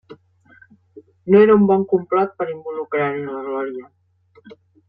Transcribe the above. No era un bon complot per involucrar-hi la Glòria!